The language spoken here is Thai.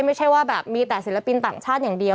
ไม่ใช่ว่าแบบมีแต่ศิลปินต่างชาติอย่างเดียว